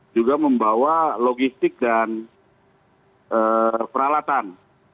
juga membawa logistik dan peralatan